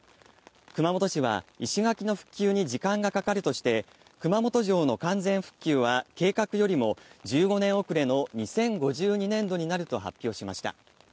熊本市は石垣の復旧に時間がかかるとして、熊本城の完全復旧は計画よりも１５年遅れの２０５２年度になると発表しました。